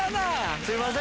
すみません。